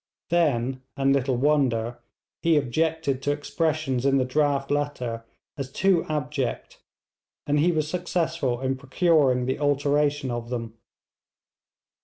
Then, and little wonder, he objected to expressions in the draft letter as too abject, and he was successful in procuring the alteration of them.